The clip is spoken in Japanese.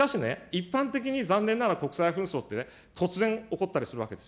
しかし、一般的に残念ながら国際紛争ってね、突然起こったりするわけです。